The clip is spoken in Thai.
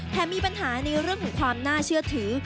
มีปัญหาในเรื่องของความน่าเชื่อถือ